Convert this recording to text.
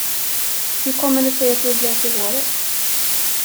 Hur kommer det sig att du är blöt i håret?